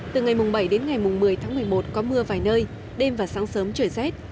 từ ngày bảy đến ngày một mươi tháng một mươi một có mưa vài nơi đêm và sáng sớm trời rét